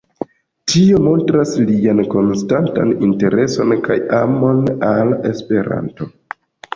Tio montras lian konstantan intereson kaj amon al Esperanto.